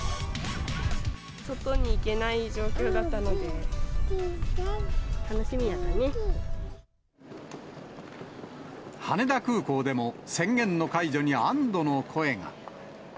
外に行けない状況だったので、羽田空港でも、宣言の解除に安どの声が。